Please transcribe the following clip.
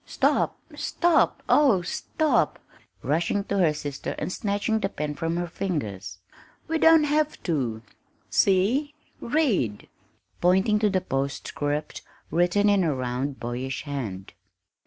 "Stop stop oh, stop!" she cried, rushing to her sister and snatching the pen from her fingers. "We don't have to see read!" pointing to the postscript written in a round, boyish hand.